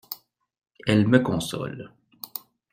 Elle me console.